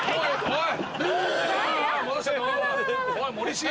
はい。